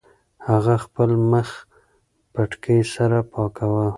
هغه خپل مخ پټکي سره پاکاوه.